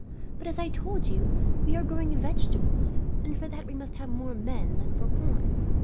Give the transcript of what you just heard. But, as I told you, we are growing vegetables, and for that we must have more men than for corn.